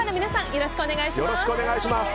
よろしくお願いします。